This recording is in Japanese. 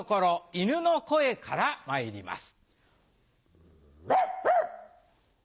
犬の声からまいります。